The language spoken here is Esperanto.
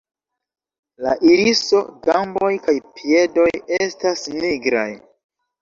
La iriso, gamboj kaj piedoj estas nigraj.